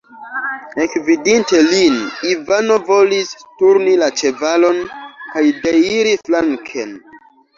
Ekvidinte lin, Ivano volis turni la ĉevalon kaj deiri flanken.